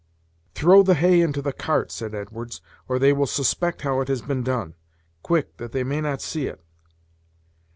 "Throw the hay into the cart," said Edwards, "or they will suspect how it has been done. Quick, that they may not see it."